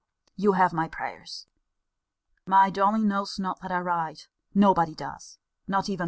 You have my prayers. My Dolly knows not that I write: nobody does*; not even Mr. Hervey.